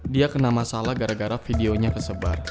dia kena masalah gara gara videonya tersebar